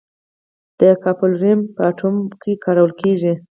د کالیفورنیم په اټوم بم کې کارول کېږي.